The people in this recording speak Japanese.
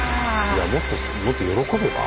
いやもっともっと喜べば？